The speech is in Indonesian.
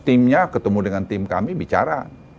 timnya ketemu dengan tim kami bicara